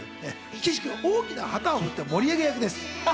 岸君は大きな旗を振って盛り上げ役です。